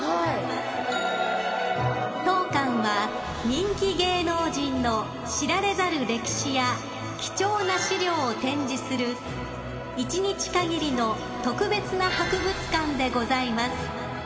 ［当館は人気芸能人の知られざる歴史や貴重な資料を展示する１日限りの特別な博物館でございます］